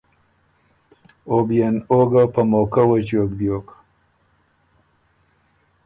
او بيې ن او ګۀ په موقع وݫیوک بیوک۔